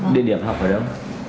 điện điểm học ở đâu